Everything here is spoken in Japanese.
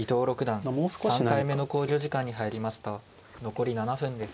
残り７分です。